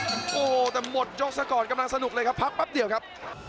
โอ้โหแต่หมดยกซะก่อนกำลังสนุกเลยครับพักแป๊บเดียวครับ